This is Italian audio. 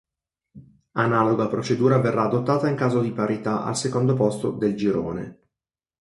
Analoga procedura verrà adottata in caso di parità al secondo posto del girone.